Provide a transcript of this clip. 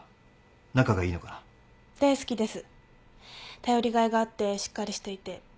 頼りがいがあってしっかりしていて。